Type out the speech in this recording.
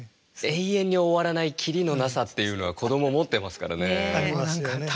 延々に終わらない切りのなさっていうのは子ども持ってますからね。ありますよね。